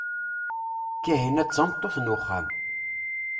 Kahina d tameṭṭut n uxxam.